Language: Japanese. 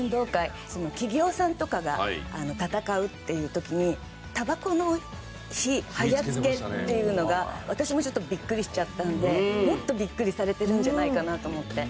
企業さんとかが戦うっていう時にたばこの火早つけっていうのが私もちょっとビックリしちゃったのでもっとビックリされてるんじゃないかなと思って。